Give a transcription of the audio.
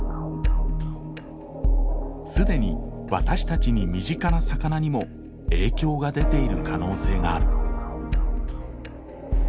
既に私たちに身近な魚にも影響が出ている可能性がある。